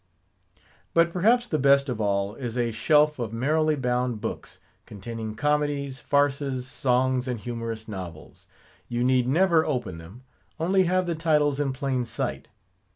But perhaps the best of all is a shelf of merrily bound books, containing comedies, farces, songs, and humorous novels. You need never open them; only have the titles in plain sight.